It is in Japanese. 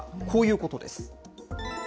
こういうことです。